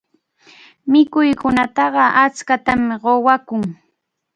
Mikhunataqa achkatam quwaqku.